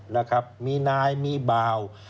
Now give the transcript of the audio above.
นะครับมีนายมีบ่าว